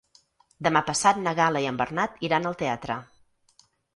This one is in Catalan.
Demà passat na Gal·la i en Bernat iran al teatre.